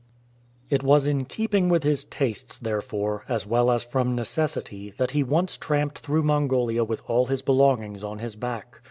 It was in keeping with his tastes, therefore, as well as from necessity, that he once tramped through Mongolia with all his belongings on his back.